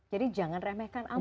jadi jangan remehkan amalan